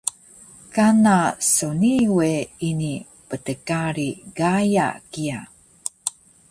Kana so nii we ini pdkari gaya kiya